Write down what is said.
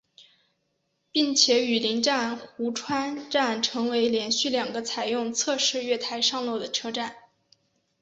并且与邻站壶川站成为连续两个采用侧式月台上落的车站。